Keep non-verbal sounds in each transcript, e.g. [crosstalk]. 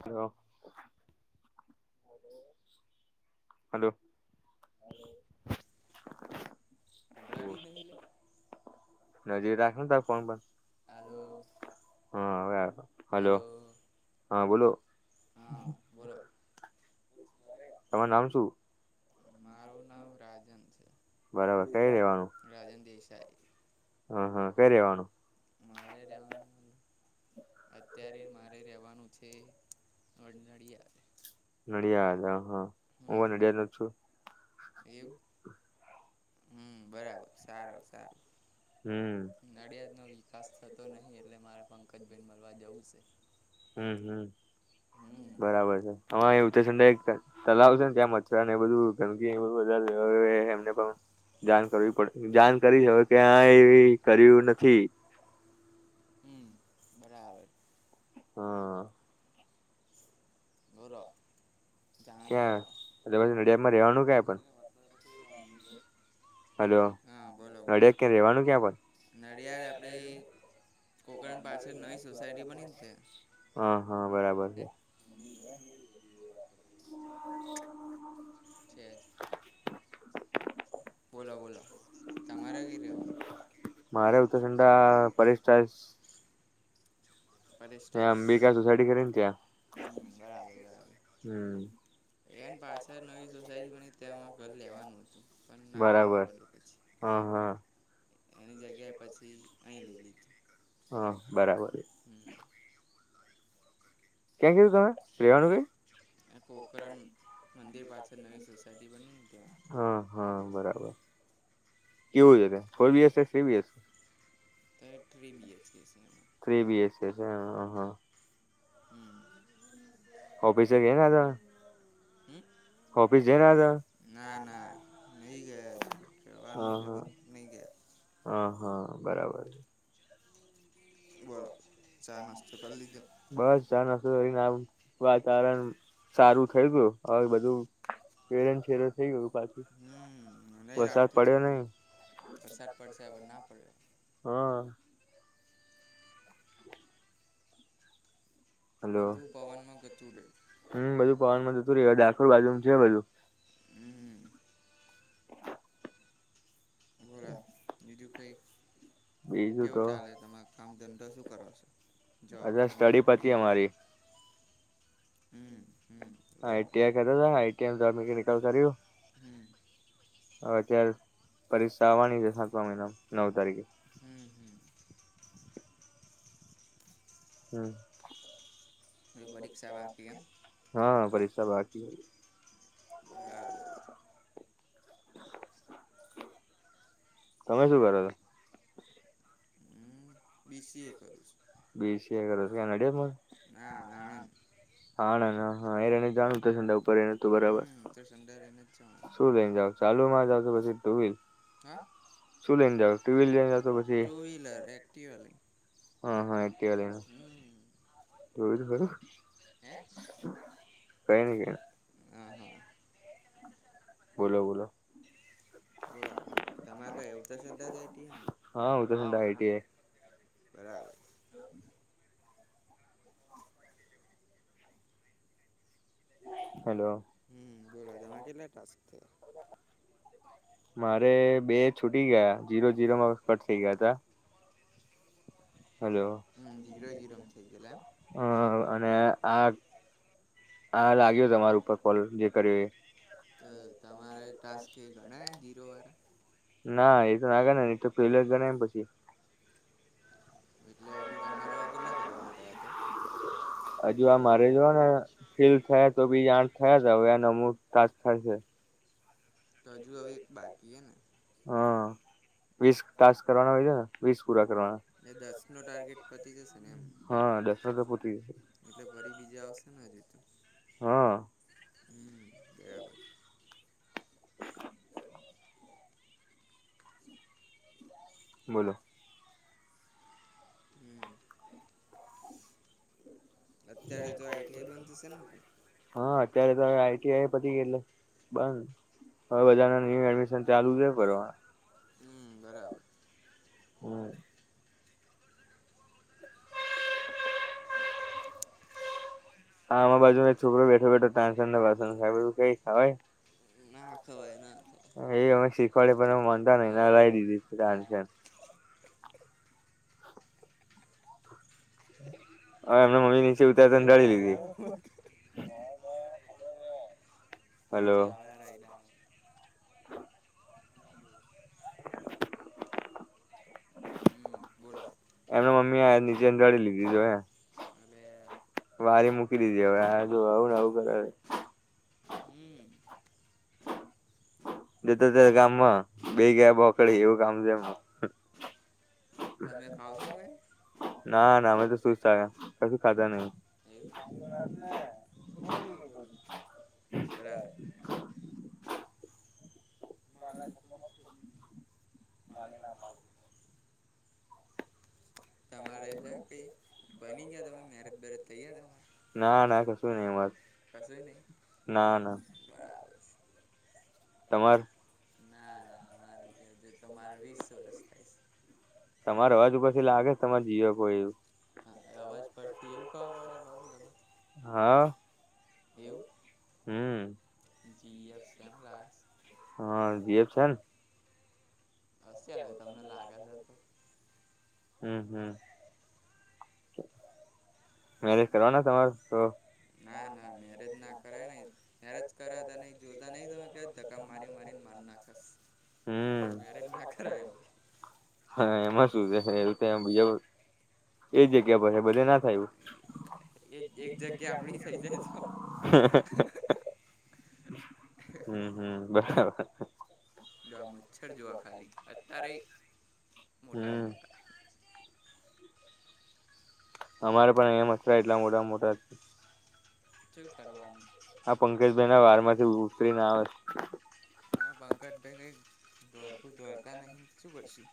હા હલો અમળા દ નહી લે નજીક રાખને ત ફોન પણ હાલો હા હવે હલો હાલો હા બોલો હા બોલો તમાર નામ શું મારું નામ રાજન છે બરાબર રાજન દસ હ હા ક્યા રેવાણું મારે રહેવાનું અત્યારે મારે રેવાનું છે નડિયાદ નડિયાદ હ હા હમ હું નડિયાદ નો છું એવું હમ બરાબર સારા સારું હમ નડિયાદ નો વિકાસ થતો નહી એટલે મારે પંકજભઈને મળવા જવું છે. હમ્મ-હમ્મ. હમ બરાબર છે આમાં ઉત્તરસંડા તલાવ છે ને ત્યાં મચ્છરાને એ બધું ગંદકી ને બધું એમને પણ જાણ કરવી પડે જાણ કરી હ ક્યાંય એવી કર્યું નથી. હમ્મ બરાબર. હા. બોલો. જાણ કરો ક્યાં પછી નડિયાદમાં રેવાનું ક્યા પણ? હલો હા બોલો બોલો નડિયાદ ક્યાં રેવાનું ક્યાં પણ નડિયાળ આપડી કોકરણ પાછળ નવી સોસાયટી બની ને તે [unintelligible] હા હા બરાબર છે. [inaudible] છે. બોલો બોલો તમારે કઈ રેહવાનું? ઉતરસંદા પરેશ ટાયલસ હ અંબિકા સોસાયડી કરી ને હમ્મ બરાબર બરાબર. [inaudible] એને પાછળ નવી સોસાયટીની ત્યાં ઘર લેવાનું હતું પણ ના મેર પડ્યું પછી હા-હા. એની જગ્યાએ પછી અહીં લઈ લીધું હા બરા હમ [inaudible] ક્યાં કીધું તમે રેવાનું કઈ? એ કોકરન ત્યાં હા હા બરાબર. કેવું છે ફોરબીએસ થ્રી બી એચ કે. ત્યાં થ્રી બીએચકે છે એમાં થ્રી બી એચ કે છે હા. [inaudible] ઓફિસે ગયા હતા. હમ ઓફિસ જઈને આયા તમે ના ના નઈ ગયા હજુ કેવાનું છે પણ નઈ ગયા. હ હા બરાબર છે. બોલો ચા નાસ્તો કરી લીધો બસ ચા નાસ્તો કરીને આવુ વાતાવરણ સારું થઇ ગયું હવે બધું પેરન શેર થઈ ગયું. પાછું. મનેહ વરસાદ રાખતું પડ્યો તું નહી વરસાદ પડશે હવે ના પડ્યો. હા હજુ પવનમાં ગતું રહ્યું હુમ્ બધું પવનમાં જતું રે ડાકેર બાજુ છે બધું [inaudible] હમ બોરા બીજુ કઈ. બીજું કેવું તો ચાલે તમારે કામ ધંધો શું કરો છો. જોબ અત્યાર નો સ્ટડી પતી અમાર. બડી હમ હમ બરાબર આટીઆઈ કર્યું મિકેનિકલ કર્યું. હમ હ અત્યારે પરીક્ષા આવવાની છે સાતવા મહિના નવ તારીખે. હમ હમ હમ્મ હવે પરીક્ષા બાકી એમ [inaudible] હા. પૈસા બાકી હોય. [inaudible] તમે શું કરો છો. હમ્મ બીસીએ કરશું બીસીએ કરો છો કે નડિયાદમાં? ના આણંદ હા ના ના હા એને જાણું તો સંડા ઉપર એને તું બરાબર હમ તો સંદર એને જ જવાનું શું લઈ ને જાવ ચાલુમાં જાવ તો પછી? હા. સુ લઈને જાવ ટુવીલ લઈ ટુ-વ્હીલર એક્ટીવા લઈ હ હ એકટીવા લયને હમ [unintelligible] હે કઈની [unintelligible] હા હા બોલો બોલો. બુરા બ તમારે કઈ અવધશ્ર્ધા જાયતી હે ને હા હું તો સંડા આઈટીઆઈ બરાબર. [inaudible] [inaudible] હેલો હમ બોલો તમે કેટલા ટાસ્ક થયા [inaudible] મારે બે છૂટી ગયા જીરો જીરોમાં કટ થઇ ગયા તા હાલો હમ જીરો જીરો થઈ ગયેલા હ અને આ આ લાગ્યો તમાર ઉપર કોલ જે કર્યો એ એમ તો તમારે ટાસ્ક એ ગણાય જીરો વાળા [inaudible] ના એ તો ના ગ ને એ તો પેલો ગણય એમ પછી એટલે હજુ તમારે કેટલા કરવાના રહ્યા તો? હજુ આ મારે જોવા ને ફીલ થયા તો બી આથ થયા તા હવે આ નવમુ તાસ થાયશે તો હજુ હવે એક બાકી હે ને? હા વીસ ટાસ્ક કરવાના હોય છે, ને વીસ પુરા એ દસનો ટાર્ગેટ પતી જશે ને એમ હ દસ નો તો પૂતી [unintelligible] એટલે ફરી બીજે આવશેને હજુ તો? હ. [unintelligible] બોલો. હમ અત્યારે તો આઈટીઆઈ બંધ થશે ને પણ હ અત્યારે તો આ ટીઆય પતી ગય એટલે બંધ હવે બધા ને એડમિશન ચાલુ કે પરવા હમ બરાબર. હમ. આ આમાં બાજુ એક છોકરો બેઠો બેઠો [unintelligible] વાસણ [unintelligible] ખવાય ના ખવાય ના એ અમે શીખવાડે પણ માનતા નય ને અરાય દીધી ખવાય [unintelligible] [inaudible] હ એમના મમ્મી નીચે ભઈ ઉતારતાંધાળી રાગ લીધી આયો હલો નીચે આવે એ આવે હમ બોલો એમના મમ્મી આયા નીચે [inaudible] એટલે વારી મૂકી દીધી હવે આ જો આવુંને આવું કરે હમ જતોત ગામમાં બે ગયા બોકડી એવું કામ છે, હમ તમે ખાવ છો કે ના ના અમે તો સુ [unintelligible] ખાધા નહી એવું આજે રાત ને છોડી દીધું બધું [inaudible] બરાબર. [inaudible] માલના ચક્કરમાં જ છોડી દીધું માલે ના પાડી દીધી [inaudible] તમારે છે, કઈ બની ગયા તમે મેરેજ બેરજ થઇ ગયા તમારે? ધન્યવાદ કશું નહીં ન ના ના બરાબર તમાર ના ના અમારે જે હજુ તમારે વીસ વર્ષ થાય છે તમારોવાજ ઉપરથી લાગે તમારે જીવ કોઈ હ અવાજ પડતી એવું ખબર પડે બધું તમે હા એવું હમ જીએફ કેમ લાવે છે? હા દીએપ છેન કેવું તમને લાગે છે હમ હમ મેરેજ કરવાના તમાર તો ના ના મેરેજ ના કરાય નઈ મેરેજ કર ત નહી જોતા નહીિ તમે ક ધક્કા મારી મારી મા નાખે છે હમ મેરેજ ના કરાય હવે હા એમાં શું છે એવું દુનિયા એ જગ્યા પર બધે ના થાયું એ એક જગ્યા આપડી થઇ તો હમ હમ બરાબર જો મચ્છર જોવા ખાલી અત્યારે મોટા હમ મોટા અમારે પણ અહીંયા મચરા એટલા મોટા મોટા છે શું કરવાનું હા પંકજભાઈ ના વાર માંથી ઉતરીને આવે [inaudible] [inaudible] દોરકું દોરતા નહીં શું કરશું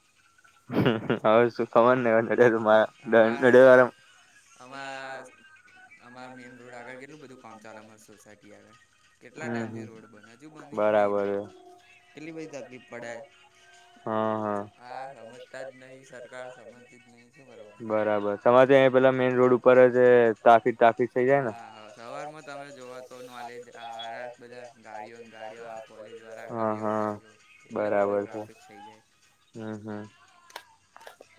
હ સુું ખબર ને અમાર [unintelligible] અમાર મેઈન રોડ આગળ કેટલું બધું કામ ચાલે અમારી સોસાયટી આગળ કેટલા ટાઈમ હમ થી રોડ બને હજુ બની જ નહીં બરાબર કેટલી બધી તકલીફ પડે હા હા હા સમજતા જ નહિ સરકાર સમજતી જ નહિ શ કરવાનું ઉપ જ ટ્રાફિક ટ્રાફિક થઈ જાય ને હા સવારમાં તમે જોવો તો નોલેજ વાળા બધા ગાડીઓને ગાડીઓ આવે [inaudible] કોલેજ વ વાળા હા ગાડીઓને હા સાથે કેટલો બધો બરાબર છે ટ્રાફિક થઈ જાય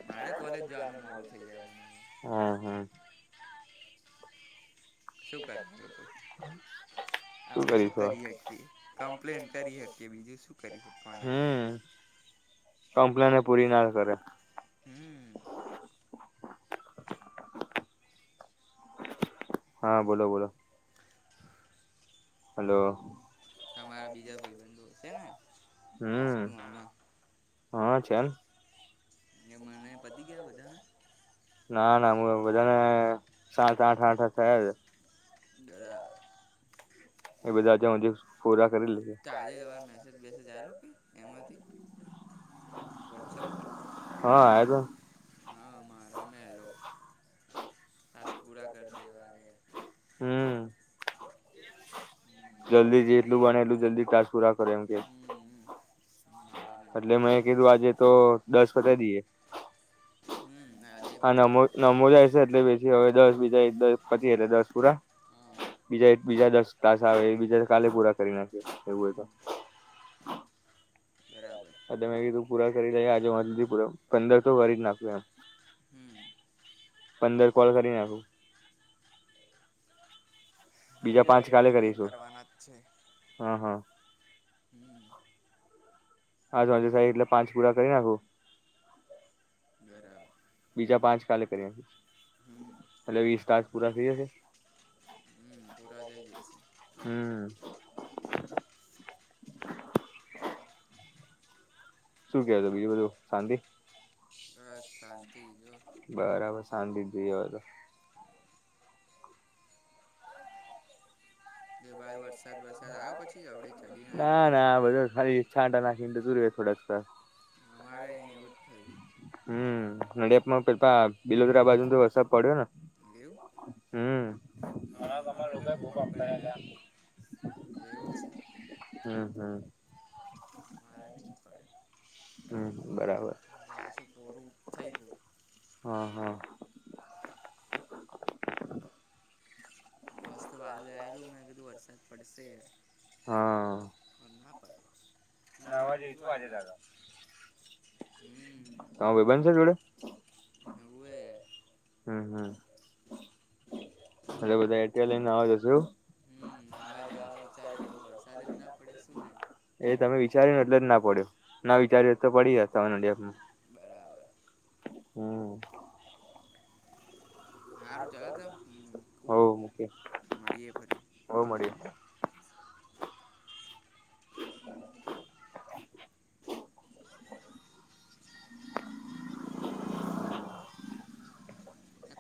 મારે કોલેજ જવાનું મોડું થઈ જાય મને હા હા શું કર આપડે શું કરીશું કરી હવે? શકીએ કમ્પ્લેન કરી શકીએ બીજું શું કરવાના કમપ્લેને પૂરી ના કરે હમ હા બોલો બોલો હલો તમારા બીજા ભાઈ બંધુ છે ને હમ રાજકુમારમાં હા ના એ મને પતી ગયા બધાને ના તને સાત આઠ આઠ થયા છે બરાા એ બધા છેજ પોરા [inaudible] તો આજે તમારો મેસેજ બેસેજ આવેલો કંઈ એમાંથી વોટ્સઅપ પર હા એ તો હા મારા મે હેલો પુરા કર દેવા હમ જલ્દી જેટલું બને એટલું જલ્દી ટાસ્ક પૂરા કરે એમ કે હમ મારા એટલે મેં કીધું આજે તો દસ પતાઈ દઈએ હમ અજય હા બચ્ચા નમો છે નમો જાય છે એટલે બેસીી હવે દસ બીજા દ દસ પુરા હા બીજા બીજા દસ તાસ આવે બીજા કાલે પૂરા કરી નાખી એવું હો હમ તો બરાબર હ કીધું પૂરા કરી દે આજે મા સુધી પૂરા પંદર તો કરી જ નાખું એમ હમ પંદર કોલ કરી નાખું બીજા જોઈએ પાંચ હવે કાલે મારે કરીશું કરવાના જ છે. હા હા હમ હાજ હજે સાહે એટલે પાંચ પૂરા કરી નાખું બરાબર બીજા પાંચ કાલે કર્યા હમ એટલે વીસ તાસ પૂરા થઇ જશે. હમ પૂરા થઈ જશે. હમ શું કેતોું બીજું બધું શાંતિ. બસ શાંતિ જો બરાબર શાંતિ જોઈ હોય તો જો ભાઈ વરસાદ વરસાદ આવ્યો પછી આપડે ચડીને ના આવેલું બધું ના બધા ખાલી છાંટ નાખીને તું રીતે થોડા અમારે અહીં એવું જ થયું હમ્મ. નડિયાપમાં પે બિલોદરા બાજુ તો વરસાદ પડ્યો ને. એવું હમ તમારા અ ગામમાં અર લોકોએ બહુ લોકો પાપ બહ કરેલા અમ એવું છે હમ્મ-હમ્મ. [unintelligible] અમારે નહીં પડ્યો હા હમ્મ. બરાબર, પાછું કોરું થઈ ગયું હા-હા. [unintelligible] મસ્ત વાજલું મેં કીધું વરસાદ પડશે. પડ્યો નાહવા નાવાજે જઈશું શું આજે વાજે દાદા હમ તો ભાઈ બંધ છે જોડે. હવે હમ્મ-હમ્મ. બધા એ લઈને આવ જશું. હમ નાવા જવાનું વિચાર્યું બંગવાર સાથે જ ના પડે શું ના એ તમે વિચાર્યુંને એટલે જ ના પડ્યો ના વિચાર્યું એટલે પડી જ ત ડપમાં બરાબર હમ્મ. હારું ચાલ ત હો મૂકી મળએ ફરી. [unintelligible] [unintelligible] [unintelligible]